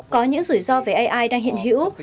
có những rủi ro về ai đang hiện hữu